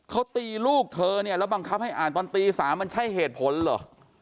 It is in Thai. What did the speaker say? เขาตีลูกเธอเนี่ยแล้วบังคับให้อ่านตอนตี๓มันใช่เหตุผลเหรอ